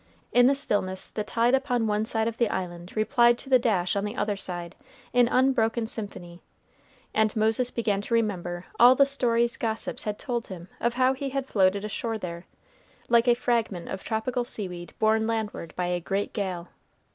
In the stillness, the tide upon one side of the Island replied to the dash on the other side in unbroken symphony, and Moses began to remember all the stories gossips had told him of how he had floated ashore there, like a fragment of tropical seaweed borne landward by a great gale.